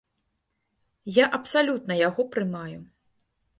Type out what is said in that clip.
Я абсалютна яго прымаю.